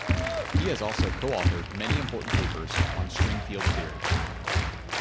He has also co-authored many important papers on string field theory.